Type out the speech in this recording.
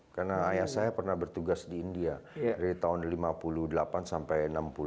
karena ayah saya pernah bertugas di india dari tahun seribu sembilan ratus lima puluh delapan sampai seribu sembilan ratus enam puluh satu